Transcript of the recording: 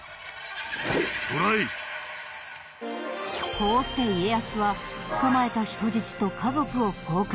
こうして家康は捕まえた人質と家族を交換。